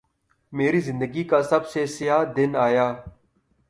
میری زندگی کا سب سے سیاہ دن آیا